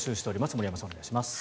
森山さん、お願いします。